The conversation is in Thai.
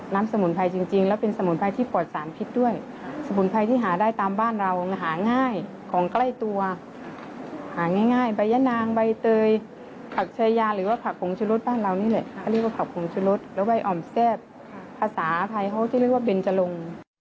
สมุนไพรจริงแล้วเป็นสมุนไพรที่ปลอดสารพิษด้วยสมุนไพรที่หาได้ตามบ้านเราหาง่ายของใกล้ตัวหาง่ายใบยะนางใบเตยผักชายาหรือว่าผักผงชะรสบ้านเรานี่แหละอันนี้ก็ผักผงชะลดแล้วใบอ่อมแซ่บภาษาไทยเขาจะเรียกว่าเบนจรง